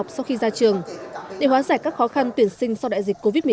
khi học viên ra trường để hóa giải các khó khăn tuyển sinh sau đại dịch covid một mươi chín